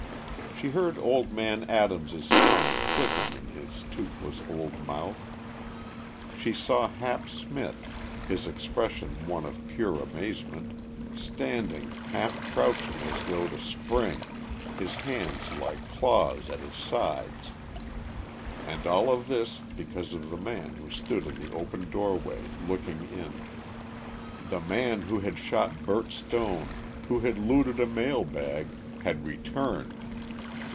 She heard old man Adams's tongue clicking in his toothless old mouth. She saw Hap Smith, his expression one of pure amazement, standing, half crouching as though to spring, his hands like claws at his sides. And all of this because of the man who stood in the open doorway, looking in. The man who had shot Bert Stone, who had looted a mail bag, had returned!